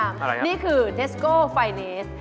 อะไรครับนี่คือเทสโก้ไฟเนส